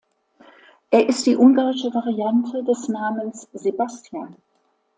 Er ist die ungarische Variante des Namens Sebastian.